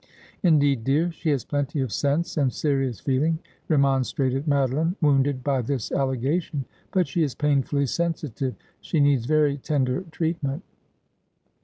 ' Indeed, dear, she has plenty of sense and serious feeling,' remonstrated Madeline, wounded by this allegation. 'But she is painfully sensitive. She needs very tender treatment.'